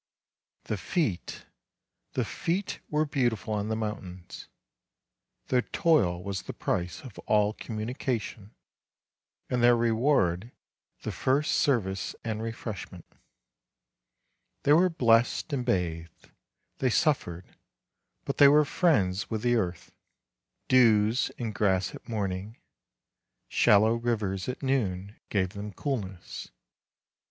The feet, the feet were beautiful on the mountains; their toil was the price of all communication, and their reward the first service and refreshment. They were blessed and bathed; they suffered, but they were friends with the earth; dews in grass at morning, shallow rivers at noon, gave them coolness.